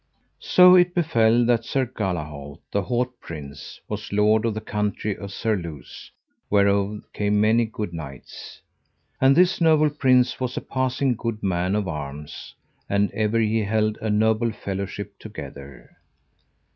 So it befell that Sir Galahalt, the haut prince, was lord of the country of Surluse, whereof came many good knights. And this noble prince was a passing good man of arms, and ever he held a noble fellowship together.